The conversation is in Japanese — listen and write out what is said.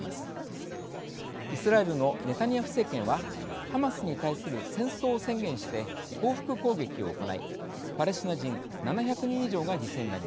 イスラエルのネタニヤフ政権はハマスに対する戦争を宣言して報復攻撃を行いパレスチナ人７００人以上が犠牲になりました。